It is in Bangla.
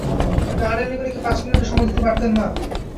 টানাটানি করে কি পাঁচ মিনিটও সময় দিতে পারতেন না।